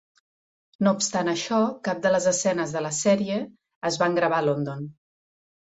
No obstant això, cap de les escenes de la sèrie es van gravar a London.